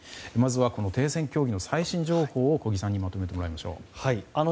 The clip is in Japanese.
まずは停戦協議の最新情報を小木さんにまとめてもらいます。